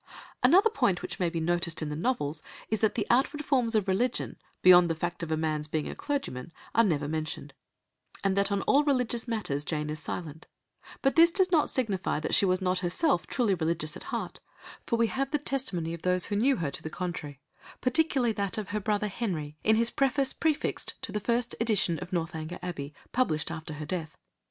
Another point which may be noticed in the novels is that the outward forms of religion, beyond the fact of a man's being a clergyman, are never mentioned, and that on all religious matters Jane is silent; but this does not signify that she was not herself truly religious at heart, for we have the testimony of those who knew her to the contrary, particularly that of her brother Henry in his preface prefixed to the first edition of Northanger Abbey, published after her death.